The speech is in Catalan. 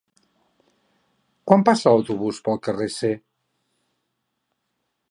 Quan passa l'autobús pel carrer C?